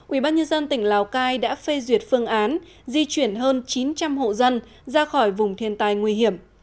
ubnd tỉnh lào cai đã phê duyệt phương án di chuyển hơn chín trăm linh hộ dân ra khỏi vùng thiên tai nguy hiểm